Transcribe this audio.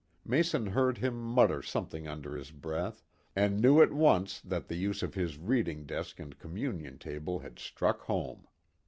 Mason heard him mutter something under his breath, and knew at once that the use of his reading desk and Communion table had struck home.